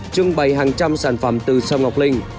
trưng bày hàng trăm sản phẩm từ sâm ngọc linh